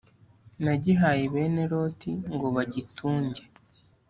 nagihaye bene loti ngo bagitunge